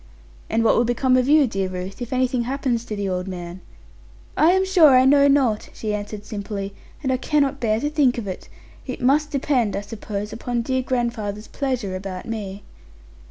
'And what will become of you, dear Ruth, if anything happens to the old man?' 'I am sure I know not,' she answered simply; 'and I cannot bear to think of it. It must depend, I suppose, upon dear grandfather's pleasure about me.'